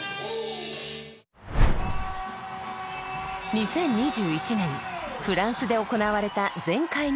２０２１年フランスで行われた前回のＢＯＴＹ。